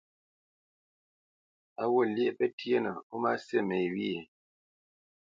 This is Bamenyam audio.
Á ghût lyéʼ pətyénə ó má sí me wyê?